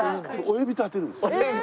親指立てるんですよ。